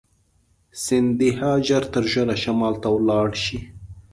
سیندهیا ژر تر ژره شمال ته ولاړ شي.